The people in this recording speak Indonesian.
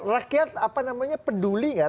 rakyat apa namanya peduli gak